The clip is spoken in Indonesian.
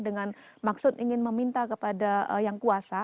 dengan maksud ingin meminta kepada yang kuasa